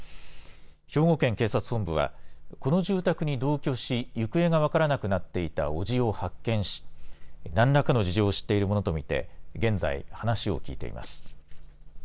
兵庫県警察本部は、この住宅に同居し、行方が分からなくなっていた伯父を発見し、なんらかの事情を知っているものと見て、現在、話を聴いています。